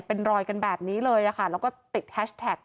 เป็นรอยกันแบบนี้เลยค่ะแล้วก็ติดแฮชแท็ก